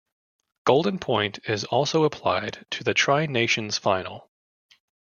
Golden point is also applied to the Tri-Nations final.